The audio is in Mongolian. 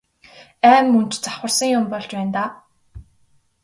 Ай мөн ч завхарсан юм болж байна даа.